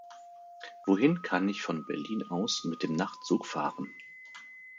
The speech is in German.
Wohin kann ich von Berlin aus mit dem Nachtzug fahren?